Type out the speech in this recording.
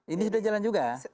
ini sudah jalan juga